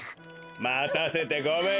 またせてごめんよ。